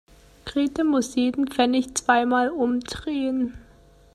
Grete muss jeden Pfennig zweimal umdrehen.